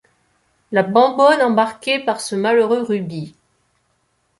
La bonbonne embarquée par ce malheureux Ruby.